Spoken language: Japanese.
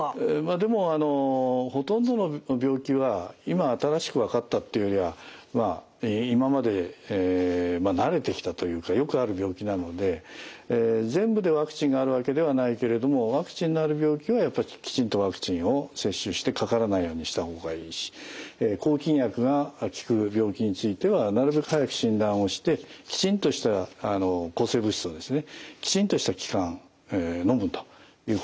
でもほとんどの病気は今新しく分かったっていうよりはまあ今まで慣れてきたというかよくある病気なので全部でワクチンがあるわけではないけれどもワクチンのある病気はきちんとワクチンを接種してかからないようにした方がいいし抗菌薬が効く病気についてはなるべく早く診断をしてきちんとした抗生物質をですねきちんとした期間のむということ。